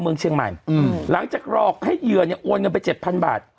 เมืองเชียงใหม่อืมหลังจากหลอกให้เหยื่อเนี่ยโอนเงินไปเจ็ดพันบาท